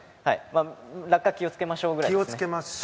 落下、気を付けましょうぐらいですね。